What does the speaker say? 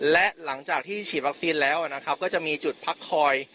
และหลังจากที่ฉีดวัคซีนแล้วก็จะมีจุดพักคอย